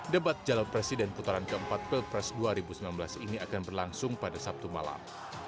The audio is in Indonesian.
debat calon presiden putaran keempat pilpres dua ribu sembilan belas ini akan berlangsung pada sabtu malam